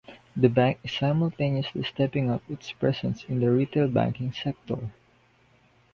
The bank is simultaneously stepping up its presence in the retail banking sector.